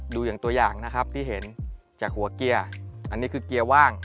ดูอย่างตัวอย่างนะครับที่เห็นจากหัวเกียร์อันนี้คือเกียร์ว่าง